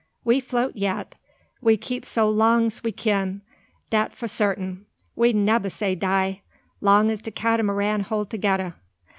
We float yet, we keep so long 's we kin, dat fo' sartin. We nebba say die, long 's de Catamaran hold togedda."